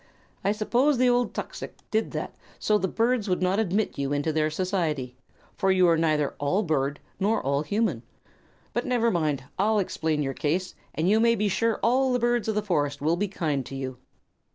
"I suppose the old tuxix did that so the birds would not admit you into their society, for you are neither all bird nor all human. But never mind; I'll explain your case, and you may be sure all the birds of the forest will be kind to you."